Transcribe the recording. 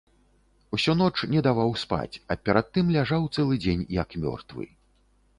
Усю ноч не даваў спаць, а перад тым ляжаў цэлы дзень як мёртвы.